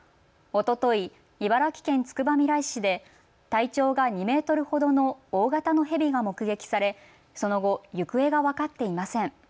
おととい、茨城県つくばみらい市で体長が２メートルほどの大型のヘビが目撃されその後、行方が分かっていません。